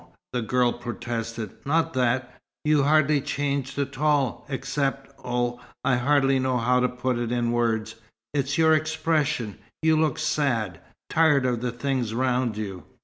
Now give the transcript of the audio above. the girl protested. "Not that. You've hardly changed at all, except oh, I hardly know how to put it in words. It's your expression. You look sad tired of the things around you."